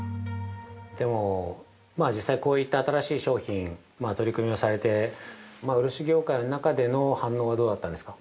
でも、実際こういった新しい商品、取り組みをされて漆業界の中での反応はどうだったんですか。